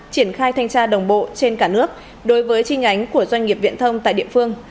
triển khai thanh tra đồng bộ trên cả nước đối với chi nhánh của doanh nghiệp viễn thông tại địa phương